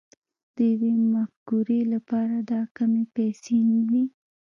د يوې مفکورې لپاره دا کمې پيسې نه دي